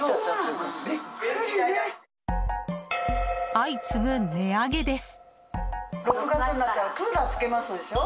相次ぐ値上げです。